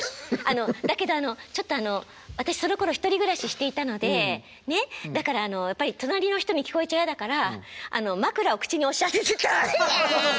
だけどあのちょっと私そのころ１人暮らししていたのでねっだからやっぱり隣の人に聞こえちゃ嫌だから枕を口に押し当てて「ドリャッ！」。